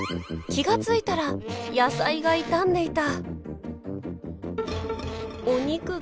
気が付いたら野菜が傷んでいた。